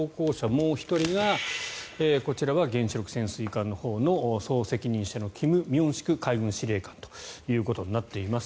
もう１人がこちらは原子力潜水艦のほうの総責任者のキム・ミョンシク海軍司令官ということになっています。